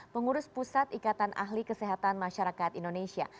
pengurus pusat ikatan ahli kesehatan masyarakat indonesia